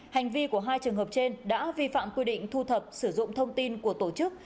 hành vi của hai trường hợp trên đã vi phạm quy định thu thập sử dụng thông tin của tổ chức